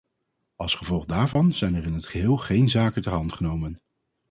Als gevolg daarvan zijn er in het geheel geen zaken ter hand genomen.